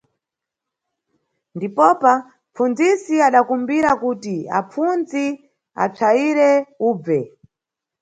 Ndipopa, mʼpfundzisi adakumbira kuti apfundzi apsayire ubve.